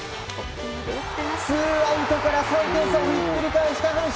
ツーアウトから３点差をひっくり返した阪神。